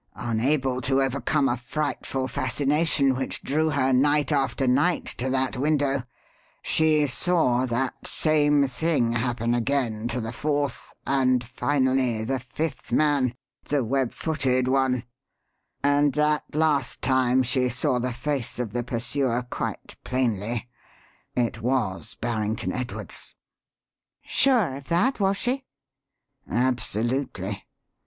Unable to overcome a frightful fascination which drew her night after night to that window, she saw that same thing happen again to the fourth, and finally, the fifth man the web footed one and that last time she saw the face of the pursuer quite plainly. It was Barrington Edwards!" "Sure of that, was she?" "Absolutely.